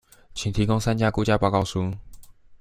請提供三家估價報告書